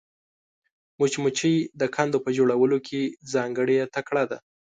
مچمچۍ د کندو په جوړولو کې ځانګړې تکړه ده